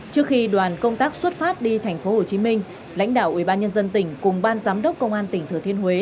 trước khi đoàn công tác xuất phát đi tp hcm lãnh đạo ubnd tỉnh cùng ban giám đốc công an tỉnh thừa thiên huế